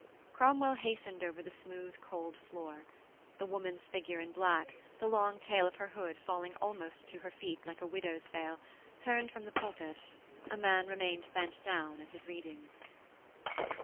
Cromwell hastened over the smooth, cold floor. The woman's figure in black, the long tail of her hood falling almost to her feet like a widow's veil, turned from the pulpit; a man remained bent down at his reading.